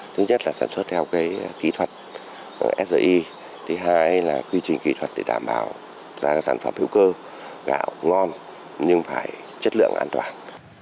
thứ nhất là sản xuất theo kỹ thuật sgi thứ hai là quy trình kỹ thuật để đảm bảo ra sản phẩm hữu cơ gạo ngon nhưng phải chất lượng an toàn